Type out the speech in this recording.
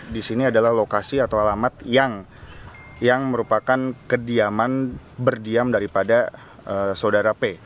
di sini adalah lokasi atau alamat yang merupakan kediaman berdiam daripada saudara p